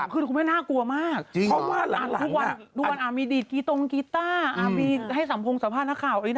มือสั่นเพราะกลัวโดนบีบคอยค่ะกลัวโดน